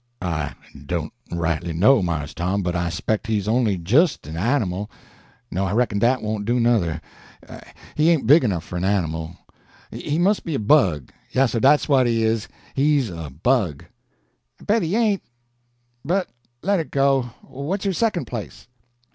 "I don't rightly know, Mars Tom, but I speck he's only jist a' animal. No, I reckon dat won't do, nuther, he ain't big enough for a' animal. He mus' be a bug. Yassir, dat's what he is, he's a bug." "I bet he ain't, but let it go. What's your second place?"